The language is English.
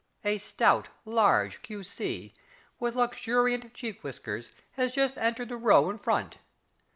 A stout, large Q.C., with luxuriant cheek whiskers has just entered the row in front.